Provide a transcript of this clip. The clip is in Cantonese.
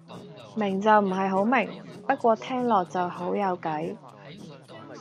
明就唔係好明，不過聽落就好有計